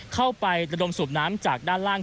เข้าไประดมสูบน้ำจากด้านล่าง